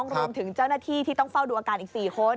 รวมถึงเจ้าหน้าที่ที่ต้องเฝ้าดูอาการอีก๔คน